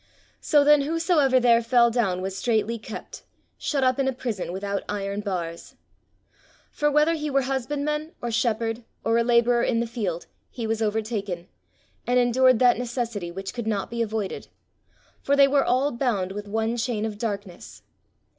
"So then whosoever there fell down was straitly kept, shut up in a prison without iron bars. "For whether he were husbandman, or shepherd, or a labourer in the field, he was overtaken, and endured that necessity, which could not be avoided: for they were all bound with one chain of darkness.